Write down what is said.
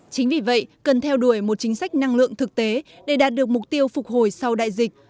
chính vì vậy cần theo đuổi một chính sách năng lượng thực tế để đạt được mục tiêu phục hồi sau đại dịch